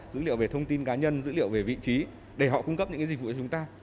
dữ liệu về thông tin cá nhân dữ liệu về vị trí để họ cung cấp những dịch vụ cho chúng ta